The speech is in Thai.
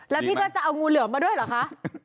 แล้วพี่ก็จะเอางูเหลือมมาด้วยเหรอคะ